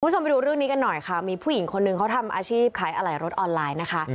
คุณผู้ชมไปดูเรื่องนี้กันหน่อยค่ะมีผู้หญิงคนหนึ่งเขาทำอาชีพขายอะไหล่รถออนไลน์นะคะ